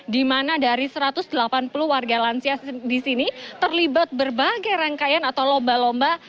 di mana dari satu ratus delapan puluh warga lansia di sini terlibat berbagai rangkaian atau lomba lomba